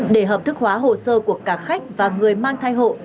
để hợp thức hóa hồ sơ của cả khách và người mang thai hộ